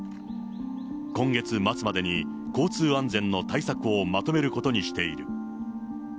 今月末までに、交通安全の対策をまとめることにしている。